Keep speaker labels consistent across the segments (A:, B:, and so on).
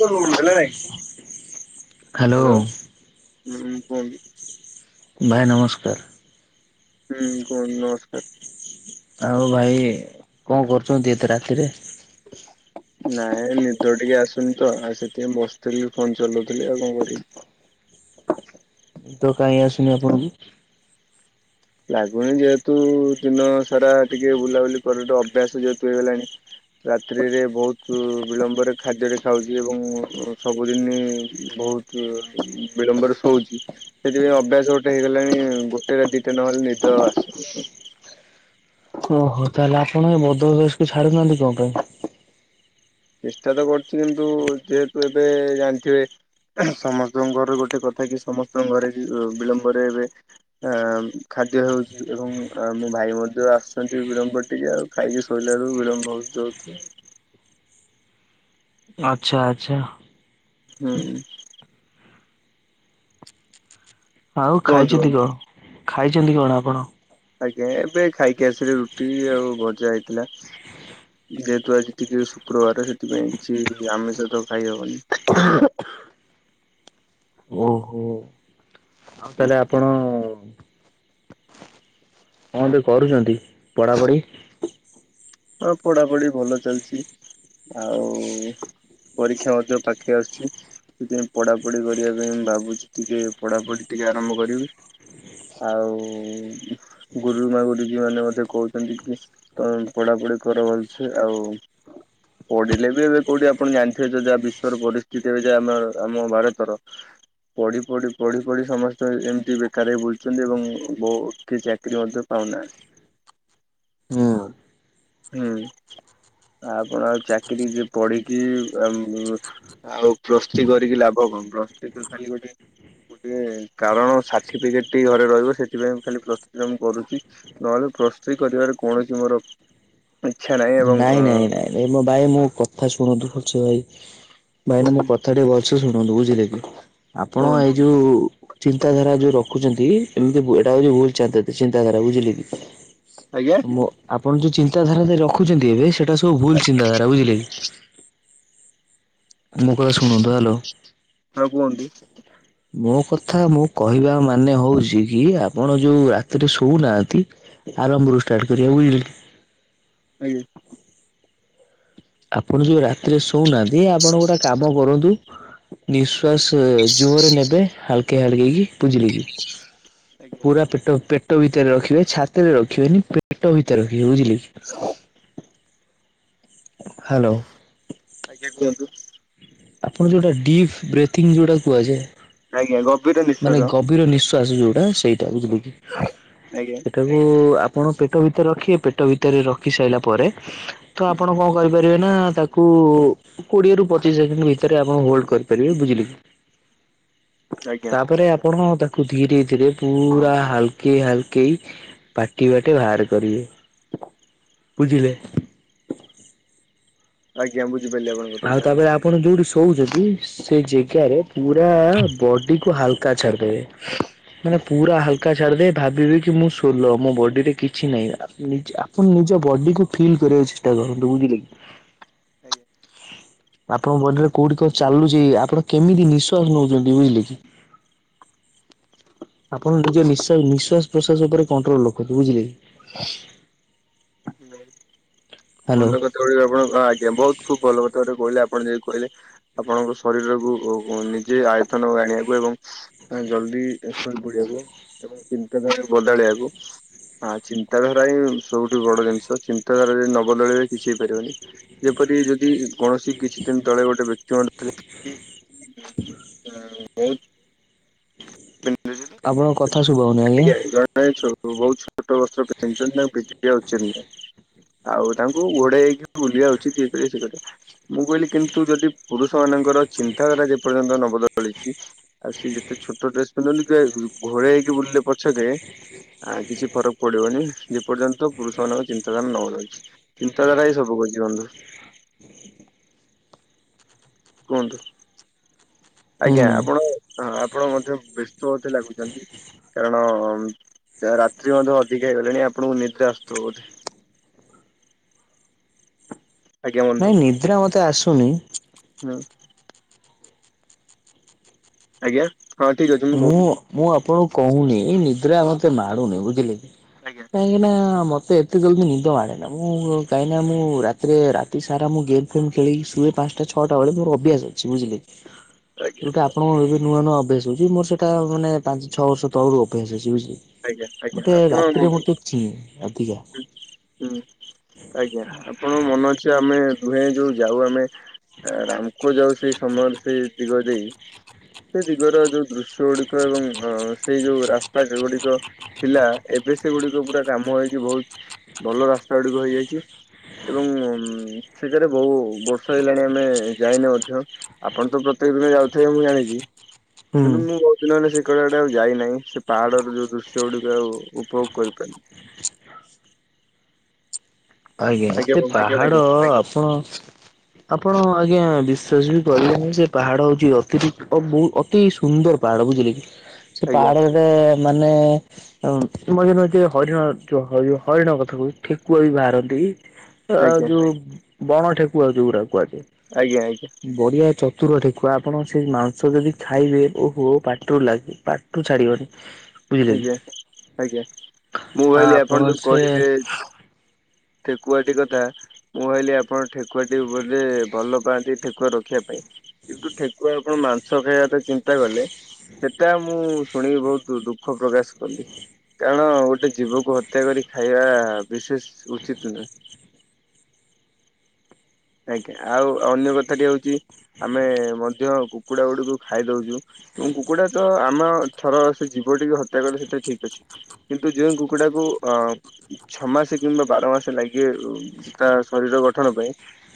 A: କଣ କହୁଥିଲା ନାଇଁ।
B: ହ୍ୟାଲୋ।
A: ହୁଁ କୁହନ୍ତୁ।
B: ଭାଇ ନମସ୍କାର।
A: ହୁଁ କୁହନ୍ତୁ ନମସ୍କାର।
B: ଆଉ ଭାଇ କଣ କରୁଛନ୍ତି ଏତେ ରାତିରେ।
A: ନାଇଁ ନିଦ ଟିକେ ଆସୁନି ତ ଆଉ ସେଥିପାଇଁ ବସିଥିଲି ଫୋନ ଚଲାଉଥିଲି ଆଉ କଣ କରିବି।
B: ନିଦ କାହିଁ ଆସୁନି ଆପଣକୁ।
A: ଲାଗୁନି ଯେହେତୁ ଦିନ ସାରା ଟିକେ ବୁଲାବୁଲି କରେ ତ ଅଭ୍ୟାସ ଯେହେତୁ ହେଇଗଲାଣି। ରାତ୍ରିରେ ବହୁତ୍ ବିଳମ୍ବରେ ଖାଦ୍ୟ ଟେ ଖାଉଛି ଏବଂ ସବୁଦିନ ବହୁତ୍ ବିଳମ୍ବରେ ଶୋଉଛି ସେଥିପାଇଁ ଅଭ୍ୟାସ ଗୋଟେ ହେଇଗଲାଣି ଗୋଟେ ରାତି ରାତି ନହଲେ ନିଦ ଆସୁନି।
B: ଓହୋ ତାହେଲେ ଆପଣ ଏ ମଦ ଅଭ୍ୟାସକୁ ଛାଡୁନାହାନ୍ତି କଣ ପାଇଁ।
A: ଚେଷ୍ଟା ତ କରୁଛି କିନ୍ତୁ ଯେହେତୁ ଏବେ ଜାଣିଥିବେ। ସମସ୍ତଙ୍କ ଘର ଗୋଟେ କଥା କି ସମସ୍ତଙ୍କ ଘରେ ବିଳମ୍ବରେ ଏବେ ଆଁ ଖାଦ୍ୟ ହେଉଛି ଏବଂ ମୋ ଭାଇ ମଧ୍ୟ ଆସୁଛନ୍ତି ବିଳମ୍ବର ଟିକେ ଆଉ। ଖାଇକି ଶୋଇଲାରୁ ବିଳମ୍ବ ହୋଉଚି ହୋଉଚି ଆଉ।
B: ଆଛା ଆଚ୍ଛା।
A: ହୁଁ।
B: ଆଉ
A: କୁହନ୍ତୁ
B: ଖାଇଛନ୍ତି କଣ ଖାଇଛନ୍ତି କଣ ଆପଣ।
A: ଆଜ୍ଞା ଏବେ ଖାଇକି ଆସିଲି ରୁଟି ଆଉ ଭଜା ହେଇଥିଲା। ଯେହେତୁ ଆଜି ଟିକେ ଶୁକ୍ରବାର ସେଥିପାଇଁ କିଛି ଆମିଷ ତ ଖାଇହବନି।
B: ଓହୋ ଆଉ ତାହେଲେ ଆପଣ କଣଟେ କରୁଛନ୍ତି ପଢାପଢି।
A: ହଁ ପଢ଼ାପଢ଼ି ଭଲ ଚାଲିଛି ଆଉ ପରୀକ୍ଷା ମଧ୍ୟ ପାଖେଇ ଆସୁଛି। ସେଥିପାଇଁ ପଢାପଢି କରିବା ପାଇଁ ମୁଁ ଭାବୁଛି ଟିକେ ପଢାପଢି ଟିକେ ଆରମ୍ଭ କରିବି। ଆଉ ଗୁରୁମା ଗୁରୁଜୀ ମାନେ ମଧ୍ୟ କହୁଛନ୍ତି କି ତ ପଢାପଢି କର ଭଲସେ ଆଉ ପଢିଲେ ବି ଏବେ କୋଉଠି ଆପଣ ଜାଣିଥିବେ ଯ ଯାହା ବିଶ୍ଵର ପରିସ୍ଥିତି ଏବେ ଯା ଆମର ଆମ ଭାରତର। ପଢ଼ି ପଢ଼ି ପଢ଼ି ପଢ଼ି ସମସ୍ତେ ଏମିତି ବେକାର ହେଇ ବୁଲୁଛନ୍ତି ଏବଂ ବହୁ କି ଚାକିରି ମଧ୍ୟ ପାଉନା।
B: ହୁଁ।
A: ହୁଁ ଆପଣ ଆଉ ଚାକିରି ଯେ ପଢିକି ଆଉ ପ୍ରସ୍ତି କରିକି ଲାଭ କଣ ପ୍ରସ୍ତି ତ ଖାଲି ଗୋଟେ ଇଏ କାରଣ ସାର୍ଟିଫିକେଟ୍ ଟି ଘରେ ରହିବ ସେଥିପାଇଁ ଖାଲି ପ୍ରସ୍ତୁତି ମୁଁ କରୁଛି। ନହେଲେ ପ୍ରସ୍ତି କରିବାରେ କୌଣସି ମୋର ଇଚ୍ଛା ନାହିଁ। ଏବଂ
B: ନାଇଁ ନାଇଁ ନାଇଁ ନାଇଁ ମୋ ଭାଇ ମୁଁ କଥା ଶୁଣୁନ୍ତୁ ପଛେ ଭାଇ ଭାଇନା ମୋ କଥା ଟିକେ ଭଲ ଛେ ଶୁଣନ୍ତୁ ବୁଝିଲେ କି ଆପଣ
A: କୁହନ୍ତୁ
B: ଏଇ ଯୋଉ ଚିନ୍ତାଧାରା ଯୋଉ ରଖୁଛନ୍ତି ଏମିତି ବୁ ଏଟା ହଉଛି ଭୁଲ୍ ଚାନ୍ତାତି ଚିନ୍ତାଧାରା ବୁଝିଲେ କି।
A: ଆଜ୍ଞା
B: ମୋ ଆପଣ ଯୋଉ ଚିନ୍ତାଧାରା ସେ ରଖୁଛନ୍ତି ଏବେ ସେଟା ସବୁ ଭୁଲ ଚିନ୍ତାଧାରା ବୁଝିଲେ କି। ମୋ କଥା ଶୁଣନ୍ତୁ ହାଲୋ।
A: ଆଉ କୁହନ୍ତୁ।
B: ମୋ କଥା ମୁଁ କହିବା ମାନେ ହଉଛି କି ଆପଣ ଯୋଉ ରାତିରେ ଶୋଉନାହାନ୍ତି। ଆରମ୍ଭରୁ ଷ୍ଟାର୍ଟ କରିବା ବୁଝିଲକି।
A: ଆଜ୍ଞା।
B: ଆପଣ ଯୋଉ ରାତିରେ ଶୋଉନାହାନ୍ତି ଆପଣ ଗୋଟେ କାମ କରନ୍ତୁ। ନିଶ୍ୱାସ ଜୋରେ ନେବେ ହାଲକେଇ ହାଲକେଇ କି ବୁଝିଲେକି।
A: ଆଜ୍ଞା
B: ପୁରା ପେଟ ପେ ପେଟ ଭିତରେ ରଖିବେ ଛାତିରେ ରଖିବେନି ପେଟ ଭିତରେ ରଖିବେ ବୁଝିଲେକି। ହାଲୋ।
A: ଆଜ୍ଞା କୁହନ୍ତୁ।
B: ଆପଣ ଯୋଉଟା ଡିପ୍ ବ୍ରେଥିଙ୍ଗ ଯୋଉଟା କୁହାଯାଏ
A: ଆଜ୍ଞା ଗଭୀର ନିଶ୍ଵାସ
B: ମାନେ ଗଭୀର ନିଃଶ୍ଵାସ ଯୋଉଟା ସେଇଟା ବୁଝିଲେକି
A: ଆଜ୍ଞା।
B: ତାକୁ ଆପଣ ପେଟ ଭିତରେ ରଖିବେ ପେଟ ଭିତରେ ରଖି ସାରିଲା ପରେ ତ ଆପଣ କଣ କରିପାରିବେନା ତାକୁ କୋଡିଏରୁ ପଚିଶି ଶେ ଭିତରେ ଆପଣ ହୋଲ୍ଡ କରିପାରିବେ ବୁଝିଲେକି
A: ଆଜ୍ଞା
B: ତାପରେ ଆପଣ ତା ତାକୁ ଧୀରେ ଧୀରେ ପୁରା ହାଲକେଇ ହାଲକେଇ ପାଟିବାଟେ ବାହାର କରିବେ ବୁଝିଲେ
A: ଆଜ୍ଞା ବୁଝିପାରିଲି ଆପଣଙ୍କ
B: ଆଉ
A: କଥା।
B: ତାପରେ ଆପଣ ଯୋଉଠି ଶୋଉଛନ୍ତି ସେଇ ଜେଗାରେ ପୁରା ବଡିକୁ ହାଲୁକା ଛାଡ଼ିଦେବେ। [inaudible] ମାନେ ପୁରା ହାଲକା ଛାଡିଦେବେ ଭାବିବେକି ମୁଁ ସୋଲ ମୋବଡିରେ କିଛି ନାହିଁ ଆ ନିଜେ ଆ ଆପଣ ନିଜ ବଡିକୁ ଫିଲ୍ କରିବାକୁ ଚେଷ୍ଟା କରନ୍ତୁ ବୁଝିଲେକି।
A: ଆଜ୍ଞା।
B: ଆପଣଙ୍କ ବଡିରେ କୋଉଠି କଣ ଚାଲୁଚି ଆପଣ କେମିତି ନିଶ୍ଵାସ ନେଉଚନ୍ତି ବୁଝିଲେକି [inaudible] ଆପଣ ନିଜ ନିଶ ନିଶ୍ଵାସ ପ୍ରଶ୍ଵାସ ଉପରେ କଣ୍ଟ୍ରୋଲ ରଖନ୍ତୁ ବୁଝିଲେକି
A: [inaudible]
B: ହ୍ୟାଲୋ
A: ଭଲ କଥା ଗୁଡିଏ ଆପଣ ଆଜ୍ଞା ବହୁତ୍ ଖୁବ୍ ଭଲ କଥା ଗୁଡ଼ିଏ କହିଲେ ଆପଣ ଯୋଉ କହିଲେ। ଆପଣଙ୍କ ଶରୀରକୁ ନିଜେ ଆୟତନକୁ ଆଣିବାକୁ ଏବଂ ମାନେ ଜଲଦି ଶୋଇପଡ଼ିବାକୁ ଏବଂ ଚନ୍ତାଧାରା ବଦଳେଇବାକୁ ହଁ ଚିନ୍ତାଧାରାହିଁ ସବୁଠୁ ବଡ଼ ଜିନିଷ ଚିନ୍ତାଧାରା ଯଦି ନ ବଦଳେଇଲେ କିଛି ହେଇପାରିବନି ଯେପରି ଯଦି କୌଣସି କିଛି ଦିନ ତଳେ ଗୋଟେ ବ୍ୟକ୍ତି କି ବହୁତ୍ [unintelligible] [unintelligible] [unintelligible] ବହୁତ୍
B: ଆପଣଙ୍କ କଥା ଶୁଭାହଉନି ଆଜ୍ଞା
A: ଛୋଟ ବସ୍ତ୍ର ପିନ୍ଧିଛନ୍ତି ତାଙ୍କୁ ପିନ୍ଧିବା ଉଚିତ୍ ନୁହଁ। ଆଉ ତାଙ୍କୁ ଘୋଡେଇ ହେଇକି ବୁଲିବା ଉଚିତ୍ ଇଏ କରିବା ସିଏ କରିବା ମୁଁ କହିଲି କିନ୍ତୁ ଯଦି ପୁରୁଷ ମାନଙ୍କର ଚିନ୍ତାଧାରା ଯେପର୍ଯ୍ୟନ୍ତ ନବଦଳିଛି ଆଉ ସିଏ ଯେତେ ଛୋଟ ଡ୍ରେସ ପିନ୍ଧନ୍ତୁ ପ୍ରାୟ ଘୋଡେଇହେଇକି ବୁଲିଲେ ପଛକେ ଆ କିଛି ଫରକ୍ ପଡ଼ିବନି ଯେପର୍ଯ୍ୟନ୍ତ ପୁରୁଷମାନଙ୍କର ଚିନ୍ତାଧାରା ନବଦଳିଛି। ଚିନ୍ତାଧାରାହି ସବୁ କରୁଚି ବନ୍ଧୁ। କୁହନ୍ତୁ ଆଜ୍ଞା
B: ହୁଁ
A: ଆପଣ ହଁ ଆପଣ ମଧ୍ୟ ବ୍ୟସ୍ତ ମତେ ଲାଗୁଛନ୍ତି? କାରଣ ରାତ୍ରି ମଧ୍ୟ ଅଧିକା ହେଇଗଲାଣି ଆପଣଙ୍କୁ ନିଦ୍ରା ଆସଥିବ ବୋଧେ? ଆଜ୍ଞା
B: ନାଇଁ ନିଦ୍ରା ମତେ ଆସୁନି
A: ହାଲୋ। ଆଜ୍ଞା। ହଁ ଠିକ ଅଛି କହୁ
B: ମୁଁ ମୁଁ ଆପଣଙ୍କୁ କହୁନି ଏଇ ନିଦ୍ରା ମତେ ମାଡ଼ୁନି ବୁଝିଲେକି
A: ଆଜ୍ଞା
B: କାହିଁକିନା ମତେ ଏତେ ଜଲଦି ନିଦ ମାଡ଼େନା ମୁଁ କାହିଁକିନା ମୁଁ ରାତିରେ ରାତି ସାରା ମୁଁ ଗେମ୍ ଫେମ୍ ଖେଳିକି ଶୁଏ ପାଞ୍ଚ ଟା ଛଅଟା ବେଳେ ମୋର ଅଭ୍ୟାସ ଅଛି ବୁଝିଲେକି
A: ଆଜ୍ଞା।
B: ସେଟା ଆପଣଙ୍କ ଏବେ ନୂଆ ନୂଆ ଅଭ୍ୟାସ ହଉଚି ମୋର ସେଟା ମାନେ ପାଞ୍ଚ ଛଅ ବର୍ଷ ତଳରୁ ଅଭ୍ୟାସ ଅଛି ବୁଝିଲେକି
A: ଆଜ୍ଞା
B: ମୁଁ
A: ଆଜ୍ଞା
B: ଟିକେ
A: ଆପଣ
B: ରାତିରେ ମୁଁ ଟିକେ ଚିଏ ଅଧିକା
A: ହୁଁ ଆଜ୍ଞା ଆପଣଙ୍କ ମନ ଅଛି ଆମେ ଦୁହେଁ ଯୋଉ ଯାଉ ଆମେ ରାମକୁଅ ଯାଉ ସେଇ ସମୟରେ ସେଇ ଦିଗ ଦେଇ ସେଇ ଦିଗର ଯୋଉ ଦୃଶ୍ୟ ଗୁଡ଼ିକ ଏବଂ ସେଇ ଯୋଉ ରାସ୍ତା ଗୁଡ଼ିକ ଥିଲା ଏବେ ସେଗୁଡିକ ପୁରା କାମ ହେଇଛି ବହୁତ ଭଲ ରାସ୍ତା ଗୁଡିକ ହେଇଯାଇଛି। ଏବଂ ସେଠାରେ ବହୁ ବର୍ଷା ହେଲାଣି ଆମେ ଯାଇନେ ମଧ୍ୟ ଆପଣ ତ ପ୍ରତ୍ୟେକ ଦିନ ଯାଉଥିବେ ମୁଁ ଜାଣିଛି।
B: ହୁଁ
A: କିନ୍ତୁ ମୁଁ ପିଲାମାନେ ସେ କହିଲେ ଏଟା ଆଉ ଯାଇନାହିଁ ସେ ପାହାଡର ଯୋଉ ଦୃଶ୍ୟ ଗୁଡିକ ଆଉ ଉପଭୋଗ କରିପାରନି।
B: ଆଜ୍ଞା ଏତେ
A: ବନ୍ଧୁ
B: ପାହାଡ
A: ଆଜ୍ଞା
B: ଆପଣ ଆପଣ ଆଜ୍ଞା ବିଶ୍ୱାସ ବି କରିବେନି ଯେ ପାହାଡ ହୋଉଛି ଅତିରିକ୍ତ ବହୁ ଅତି ଅତି ସୁନ୍ଦର ପାହାଡ ବୁଝିଲେ କି ସେ
A: ଆଜ୍ଞା
B: ପାହାଡ ପଟେ ମାନେ ଏମ୍ ମଝୀରେ ମଝିରେ ହରିଣ ଚୁ ହରି ହରିଣ କଥା କହୁ ଠେକୁଆ ବି ବାହାରନ୍ତି। ଅ
A: ଆଜ୍ଞା
B: ଯୋଉ ବଣ ଠେକୁଆ ଯୋଉରା କୁହାଯାଏ।
A: ଆଜ୍ଞା ଆଜ୍ଞା।
B: ବଢିଆ ଚତୁର ଠେକୁୁଆ ଆପଣ ସେ ମାଂସ ଯଦି ଖାଇବେ ଓହୋ ପାଟିରୁ ଲାଗିବ ପାଠୁ ଛାଡିବନି। ବୁଝିଲେ
A: ଆଜ୍ଞା ଆଜ୍ଞା
B: କି
A: ମୁଁ
B: ଆ
A: କହିଲି
B: ଆପଣ
A: ଯୋଉ
B: ସେ
A: କହିଲେ ଠେକୁଆଟି କଥା ମୁଁ ଭାବିଲି ଆପଣ ଠେକୁଆଟି ବୋଧେ ଭଲ ପାଆନ୍ତି ଠେକୁଆ ରଖିବା ପାଇଁ କିନ୍ତୁ ଠେକୁଆ ଆପଣ ମାଂସ ଖାଇବାଟା ଚିନ୍ତା କଲେ ସେଟା ମୁଁ ଶୁଣିକି ବହୁତ ଦୁଃଖ ପ୍ରକାଶ କଲି। କାରଣ ଗୋଟେ ଜୀବକୁ ହତ୍ୟା କରି ଖାଇବା ବିଶେଷ ଉଚିତ ନୁହେଁ। ଆଜ୍ଞା ଆଉ ଅନ୍ୟ କଥାଟି ହଉଛି ଆମେ ମଧ୍ୟ କୁକୁଡ଼ା ଗୁଡ଼ିକୁ ଖାଇଦଉଛୁ। ଉ କୁକୁଡା ତ ଆମ ଥର ସେ ଜୀବ ଟିକୁ ହତ୍ୟା କଲେ ସେଇଟା ଠିକ୍ ଅଛି। କିନ୍ତୁ ଯେଉଁ କୁକୁଡ଼ାକୁ ଅ ଛଅ ମାସ କିମ୍ବା ବାର ମାସ ଲାଗେ ତା ଶରୀର ଗଠନ ପାଇଁ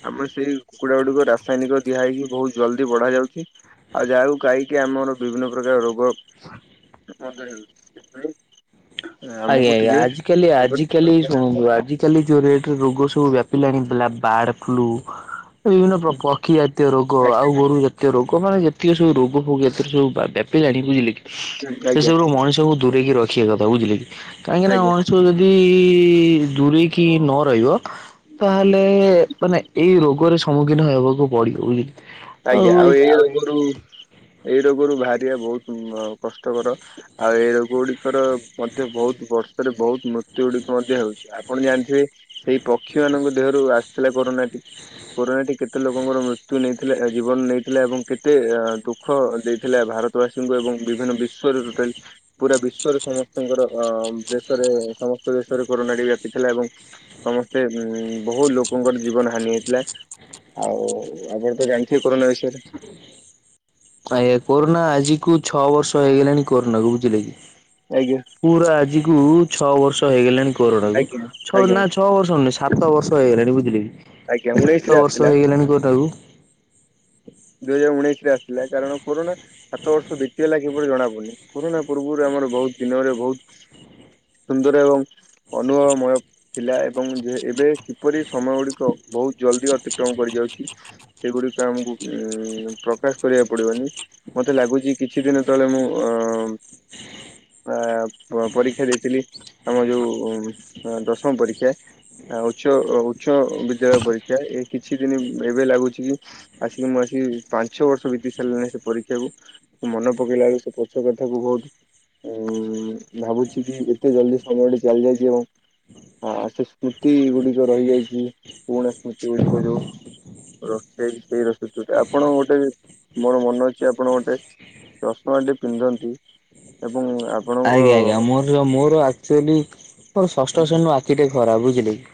A: ଆମେ ସେଇ କୁକୁଡ଼ା ଗୁଡ଼ିକ ରାସାୟନିକ ଦିଆ ହେଇକି ବହୁତ ଜଲ୍ଦି ବଢା ଯାଉଛି। ଆଉ ଯାହାକୁ ଖାଇକି ଆମର ବିଭିନ୍ନ ପ୍ରକାର ରୋଗ ମଦ ଖାଇବୁ।
B: ଆଜ୍ଞା ଆଜ୍ଞା ଆଜିିକାଲି ଆଜିିକାଲି ଶୁଣନ୍ତୁ ଆଜି କାଲି ଯୋଉ ରେଟରେ ରୋଗ ସବୁ ବ୍ୟାପିଲାଣି ବାର୍ଡ ଫ୍ଲୁ ବିଭିନ୍ନ ପ୍ର ପକ୍ଷୀ ଜାତୀୟ ରୋଗ
A: ଆଜ୍ଞା
B: ଆଉ ଗୋରୁ ଯା ସେ ରୋଗ ମାନେ ଯେତିକି ସବୁ ରୋଗ ଫୋଗ ଏଥିରେ ସବୁ ବା ବ୍ୟାପିଲାଣି ବୁଝିଲେକି ସେ
A: ଆଜ୍ଞା
B: ସବୁରେ ମଣିଷକୁ ଦୂରେଇକି ରଖିବା କଥା ବୁଝିଲେ କି କାହିଁକିନା
A: ଆଜ୍ଞା
B: ମଣିଷ ଯଦି ଯଦି ଦୂରେଇକି ନ ରହିବ ତାହେଲେ ମାନେ ଏଇ ରୋଗରେ ସମ୍ମୁଖୀନ ହେବାକୁ ପଡିବ ବୁଝିଲେ
A: ଆଜ୍ଞା ଆଉ ଏଇ ରୋଗରୁ ଏଇ ରୋଗରୁ ବାହାରିବା ବହୁତ କଷ୍ଟକର ଆଉ ଏ ରୋଗ ଗୁଡିକର ମଧ୍ୟ ବହୁତ ବର୍ଷରେ ବହୁତ ମୃତ୍ୟୁ ଗୁଡିକ ମଧ୍ୟ ହେଉଛି। ଆପଣ ଜାଣିଥିବେ ସେଇ ପକ୍ଷୀ ମାନଙ୍କ ଦେହରୁ ଆସିଥିଲା କରୋନାଟି କୋରୋନା ଟି କେତେ ଲୋକଙ୍କର ମୃତ୍ୟୁ ନେଇଥିଲା ଜୀବନ ନେଇଥିଲା ଏବଂ କେ ଏତେ ଦୁଃଖ ଦେଇଥିଲା ଭାରତବାସୀଙ୍କୁ ଏବଂ ବିଭିନ୍ନ ବିଶ୍ଵରେ ଟୋଟାଲି। ପୁରା ବିଶ୍ଵରେ ସମସ୍ତଙ୍କର ଅ ଦେଶରେ ସମସ୍ତ ଦେଶରେ କରୋନାଟି ବ୍ୟାପିଥିଲା ଏବଂ ସମସ୍ତେ ଉ ବହୁତ ଲୋକଙ୍କର ଜୀବନ ହାନି ହେଇଥିଲା ଆଉ ଆମର ତ ଜାଣିଥିବେ କରୋନା ବିଷୟରେ।
B: ଆଜ୍ଞା କୋରୋନା ଆଜି କୁ ଛଅ ବର୍ଷ ହେଇଗଲାଣି କୋରୋନା କୁ ବୁଝିଲେ କି।
A: ଆଜ୍ଞା।
B: ପୁରା ଆଜି କୁ ଛଅ ବର୍ଷ ହେଇଗଲାଣି କରୋନାକୁ
A: ଆଜ୍ଞା
B: ଛ
A: ଆଜ୍ଞା
B: ନା ଛଅ ବର୍ଷ ନ ସାତ ବର୍ଷ ହେଇଗଲାଣି
A: ଆଜ୍ଞା
B: ବୁଝିଲେକି
A: ଉଣେଇଶରେ
B: ସାତ ବର୍ଷ
A: ଆସିଥିଲା
B: ହେଇଗଲାଣି କୋଉଟା କ
A: ଦୁଇ ହଜାର ଉଣେଇଶରେ ଆସିଥିଲା କାରଣ କୋରୋନା ସାତ ବର୍ଷ ବିତିବା ଲାଗ କିଏ ବୋଲି ଜଣା ପଡ଼ୁନି। କରୋନା ପୂର୍ବରୁ ଆମର ବହୁତ ଦିନରେ ବହୁତ ସୁନ୍ଦର ଏବଂ ଅନୁଭବମୟ ଥିଲା ଏବଂ ଯେ ଏବେ କିପରି ସମୟ ଗୁଡିକ ବହୁତ ଜଲଦି ଅତିକ୍ରମ କରିଯାଉଛି। ସେଗୁଡିକ ଆମକୁ ଉଁ ପ୍ରକାଶ କରିବାକୁ ପଡିବନି। ମତେ ଲାଗୁଛି କିଛି ଦିନ ତଳେ ମୁଁ ଅ ଅ ପ ପରୀକ୍ଷା ଦେଇଥିଲି ଆମ ଯୋଉ ଦଶମ ପରୀକ୍ଷା। ଆ ଉଚ୍ଚ ଉଚ୍ଚ ବିଦ୍ୟାଳୟ ପରୀକ୍ଷା ଏ କିଛି ଦିନ ଏବେ ଲାଗୁଛି କି ଆସିକି ମୁଁ ଆସ ପାଞ୍ଚ ବର୍ଷ ବିତି ସାରିଲିଣି ସେ ପରୀକ୍ଷାକୁ। ମନ ପକେଇଲା ବେଳୁ ସେ ପଛୁ କଥାକୁ ବହୁତ ଉ ଭାବୁଛି କି ଏତେ ଜଲଦି ସମୟଟି ଚାଲି ଯାଇଛି ଏବଂ ଆ ସେ ସ୍ମୃତି ଗୁଡିକ ରହିଯାଇଛି ପୁରୁଣା ସ୍ମୃତି ଗୁଡିକ ଯୋଉ ର ସେଇ ସେଇ ର ସଟ ଆପଣ ଗୋଟେ ମୋର ମନ ଅଛି ଆପଣ ଗୋଟେ ଚଷମା ଟେ ପିନ୍ଧନ୍ତି। ଏବଂ
B: ଆଜ୍ଞା ଆଜ୍ଞା ମୋର ମୋର ଆକ୍ଚୁଆଲି ମୋର ଷଷ୍ଠ ଶ୍ରେଣୀ
A: ଆପଣଙ୍କ
B: ଆଖିଟେ ଖରାପ ବୁଝିଲେ କି।